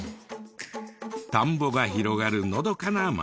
田んぼが広がるのどかな町。